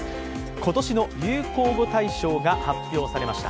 今年の流行語大賞が発表されました。